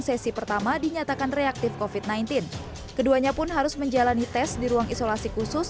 sesi pertama dinyatakan reaktif kofit sembilan belas keduanya pun harus menjalani tes di ruang isolasi khusus